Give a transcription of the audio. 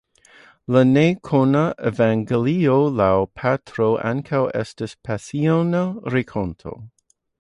La ne-kanona Evangelio laŭ Petro ankaŭ estas Pasiono-rakonto.